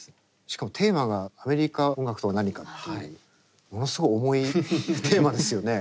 しかもテーマが「アメリカ音楽とは何か」っていうものすごい重いテーマですよね。